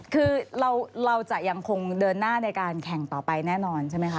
คือเราจะยังคงเดินหน้าในการแข่งต่อไปแน่นอนใช่ไหมคะ